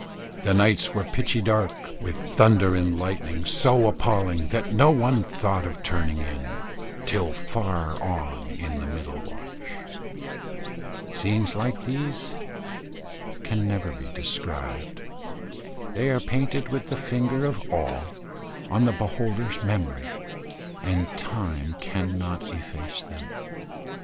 The nights were pitchy dark, with thunder and lightning so appalling that no one thought of turning in, till far on in the middle watch. Scenes like these can never be described. They are painted with the finger of awe on the beholder's memory, and time cannot efface them.